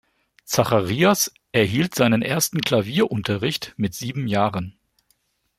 Zacharias erhielt seinen ersten Klavierunterricht mit sieben Jahren.